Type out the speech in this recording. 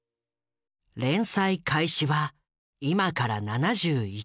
連載開始は今から７１年前。